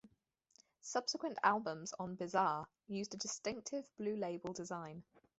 Subsequent albums on Bizarre used a distinctive blue label design.